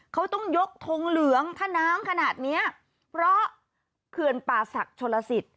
เขาต้องยกทงเหลืองถ้าน้ำขนาดเนี้ยเพราะเขื่อนป่าศักดิ์ชนลสิต